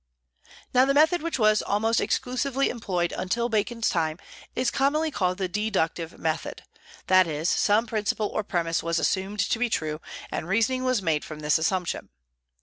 Now the method which was almost exclusively employed until Bacon's time is commonly called the deductive method; that is, some principle or premise was assumed to be true, and reasoning was made from this assumption.